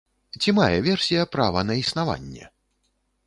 Ці мае версія права на існаванне?